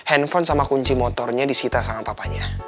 handphone sama kunci motornya disita sama papanya